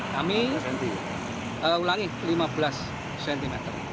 kami ulangi lima belas cm